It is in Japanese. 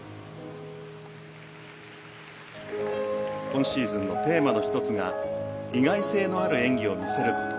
今シーズンのテーマの１つが意外性のある演技を見せること。